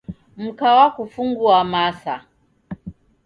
Mka wakufungua masa.